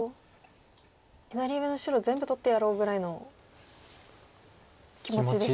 左上の白全部取ってやろうぐらいの気持ちですか？